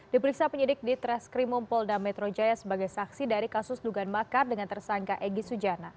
diperiksa penyidik di treskrimumpul dan metro jaya sebagai saksi dari kasus lugan bakar dengan tersangka egy sujana